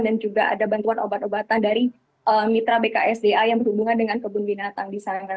dan juga ada bantuan obat obatan dari mitra bksda yang berhubungan dengan kebun binatang di sana